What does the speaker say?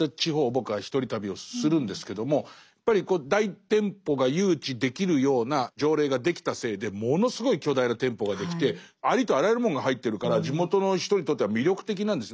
僕は一人旅をするんですけどもやっぱり大店舗が誘致できるような条例ができたせいでものすごい巨大な店舗ができてありとあらゆるもんが入ってるから地元の人にとっては魅力的なんです。